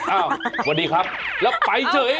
อ้าวสวัสดีครับแล้วไปเถอะ